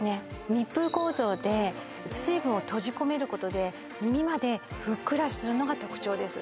密封構造で水分を閉じ込めることで耳までふっくらするのが特徴です。